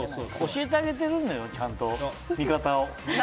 教えてあげてるのよ、ちゃんと見方を。